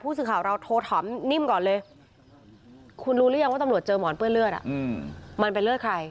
สื่อข่าวเราโทรถามนิ่มก่อนเลยคุณรู้หรือยังว่าตำรวจเจอหมอนเปื้อนเลือดมันเป็นเลือดใคร